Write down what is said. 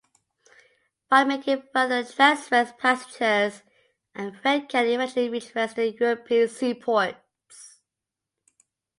By making further transfers, passengers and freight can eventually reach Western European seaports.